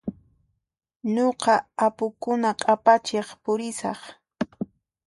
Nuqa apukuna q'apachiq pusiraq.